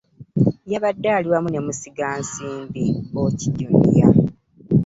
Yabadde ali wamu ne musigansimbi BOCH Junior.